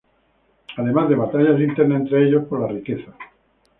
Además de batallas internas entre ellos por la riqueza.